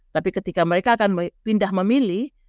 tapi ketika mereka akan pindah memilih